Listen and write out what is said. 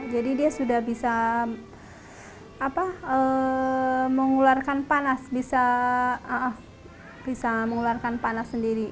jadi dia sudah bisa mengeluarkan panas bisa mengeluarkan panas sendiri